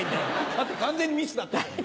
だって完全にミスだった。